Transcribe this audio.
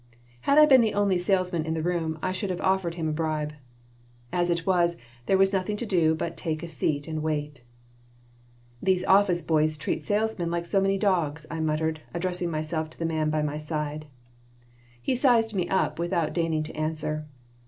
Had I been the only salesman in the room, I should have offered him a bribe. As it was, there was nothing to do but to take a seat and wait "These office boys treat salesmen like so many dogs," I muttered, addressing myself to the man by my side He sized me up, without deigning an answer.